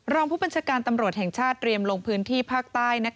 รองผู้บัญชาการตำรวจแห่งชาติเตรียมลงพื้นที่ภาคใต้